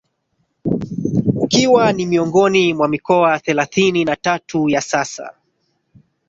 ukiwa ni miongoni mwa Mikoa thelathini na tatu ya sasa